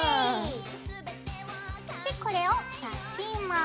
でこれをさします。